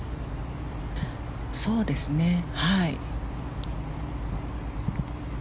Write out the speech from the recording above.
そうですね、はい。